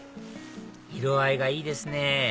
色合いがいいですね